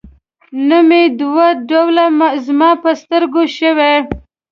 نوم یې دوه ډوله زما په سترګو شوی.